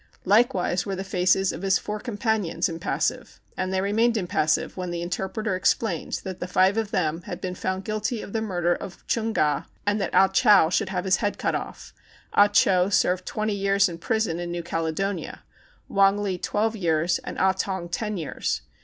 Likewise were the faces of his four companions impassive. And they remained impassive when the inter preter explained that the five of them had been found guilty of the murder of Chung Ga, and that Ah Chow should have his head cut off, Ah Cho serve twenty years in prison in New Caledonia, Wong Li twelve years, and Ah Tong ten years.